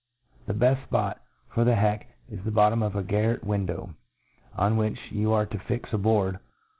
The bcft fpot for the heck is the bottom of a garret win » dow, on which you are to fix a board